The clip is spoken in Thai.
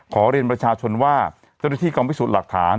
ขอเรียนประชาชนว่าเจ้าหน้าที่กองพิสูจน์หลักฐาน